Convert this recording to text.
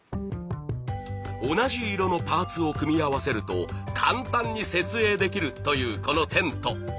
同じ色のパーツを組み合わせると簡単に設営できるというこのテント。